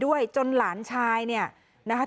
ไม่รู้จริงว่าเกิดอะไรขึ้น